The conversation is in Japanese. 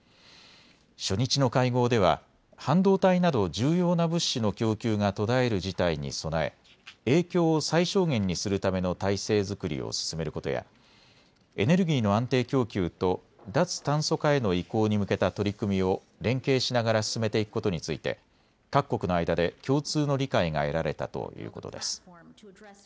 初日の会合では半導体など重要な物資の供給が途絶える事態に備え影響を最小限にするための体制作りを進めることやエネルギーの安定供給と脱炭素化への移行に向けた取り組みを連携しながら進めていくことについて各国の間で共通の理解が得られたということです。